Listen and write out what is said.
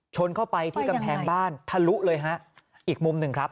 ชนเข้าไปที่กำแพงบ้านทะลุเลยฮะอีกมุมหนึ่งครับ